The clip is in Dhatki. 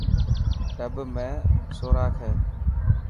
ٽب ۾ سوراک هي.